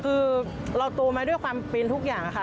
คือเราโตมาด้วยความเป็นทุกอย่างค่ะ